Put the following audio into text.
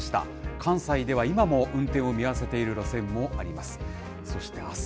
関西では今も運転を見合わせている路線もあります。